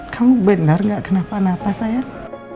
kamu benar gak kena panah pas sayang